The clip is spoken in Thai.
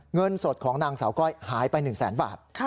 เงินสดของนางสาวก้อยหายไป๑แสนบาท